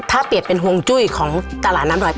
ถ้าเปลี่ยนเป็นห่วงจุ้ยของตลาดน้ำดอย๘